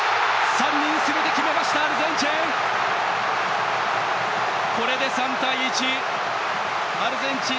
３人すべて決めましたアルゼンチン！